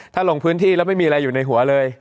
ถ้าลงพื้นที่แล้วไม่มีอะไรอยู่ในหัวเลย